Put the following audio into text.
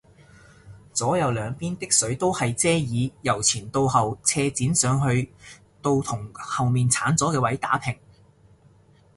左右兩邊的水都係遮耳，由前到後斜剪上去到同後面剷咗嘅位打平